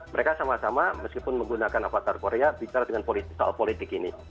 mereka sama sama meskipun menggunakan avatar korea bicara dengan politik soal politik ini